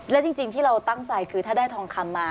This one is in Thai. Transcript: และจริงที่เราตั้งใจคือถ้าได้ทองคำมา